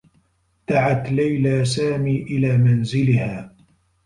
دعت ليلى سامي إلى منزلها.